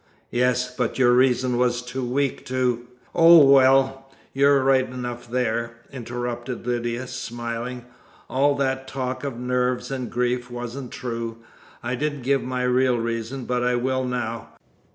"Yes, but your reason was too weak to " "Oh, well, you're right enough there," interrupted Lydia, smiling. "All that talk of nerves and grief wasn't true. I didn't give my real reason, but I will now.